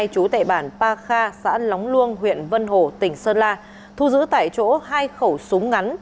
chú tệ bản pa kha xã lóng luông huyện vân hồ tỉnh sơn la thu giữ tại chỗ hai khẩu súng ngắn